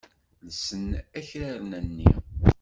Llsen akraren-nni.